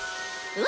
うん。